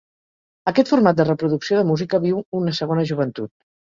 Aquest format de reproducció de música viu una segona joventut.